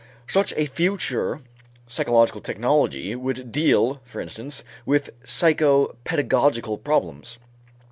Such a future psychological technology would deal, for instance, with psychopedagogical problems.